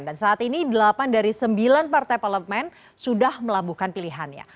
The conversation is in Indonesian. dan saat ini delapan dari sembilan partai parlemen sudah melambuhkan pilihannya